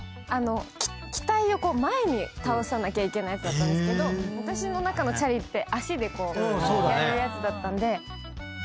機体を前に倒さなきゃいけないやつだったんですけど私の中のチャリって足でこうやるやつだったんで。